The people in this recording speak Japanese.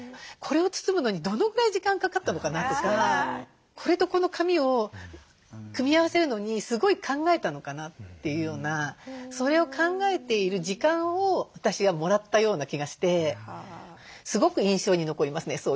これを包むのにどのぐらい時間かかったのかな？とかこれとこの紙を組み合わせるのにすごい考えたのかな？っていうようなそれを考えている時間を私がもらったような気がしてすごく印象に残りますね